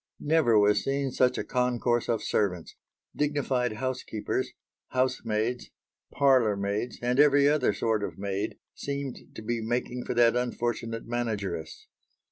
Never was seen such a concourse of servants: dignified housekeepers, housemaids, parlourmaids, and every other sort of maid, seemed to be making for that unfortunate manageress.